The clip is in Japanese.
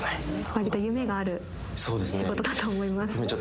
割と夢がある仕事だと思いますそうですね